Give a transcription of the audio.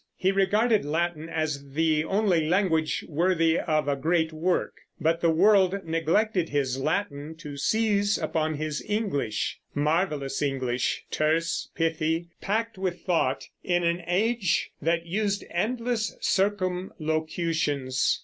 He regarded Latin as the only language worthy of a great work; but the world neglected his Latin to seize upon his English, marvelous English, terse, pithy, packed with thought, in an age that used endless circumlocutions.